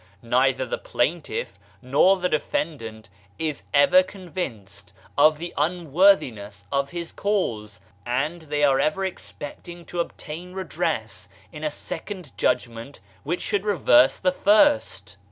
Neither the plaintiff nor the defendant is ever convinced of the unworthiness of his cause, and they are ever expecting to obtain redress in a sec ond judgment which should reverse the first.